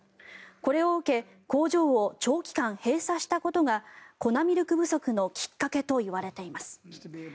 これを受け、工場を長期間閉鎖したことが粉ミルク不足のきっかけといわれています。